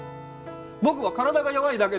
僕は体が弱いだけで。